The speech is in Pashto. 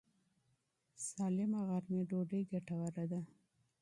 منظم غرمې ډوډۍ ګټوره ده.